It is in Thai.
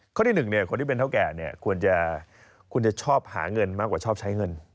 ข้อที่หนึ่งคนที่เป็นเท่าแก่ควรจะชอบหาเงินมากกว่าชอบใช้เงิน